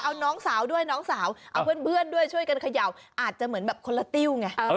เอาน้องสาวด้วยน้องสาวเอาเพื่อนด้วยช่วยกันเขย่าอาจจะเหมือนแบบคนละติ้วไง